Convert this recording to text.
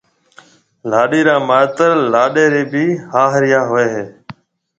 لاڏيِ را مائيتر لاڏيَ ريَ بي هاهريا هوئي هيَ۔